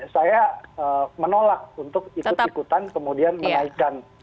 saya menolak untuk ikut ikutan kemudian menaikkan